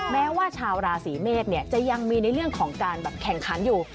แม้ว่าชาวราศีเมษจะยังมีในเรื่องของการแบบแข่งขันอยู่